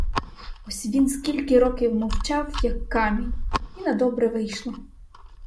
Ось він скільки років мовчав, як камінь, і на добре вийшло.